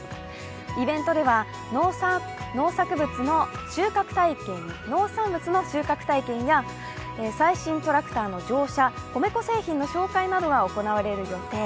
イベントでは農産物の収穫体験や最新トラクターの乗車、米粉製品の紹介などが行われる予定。